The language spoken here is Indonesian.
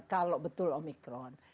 kalau betul omikron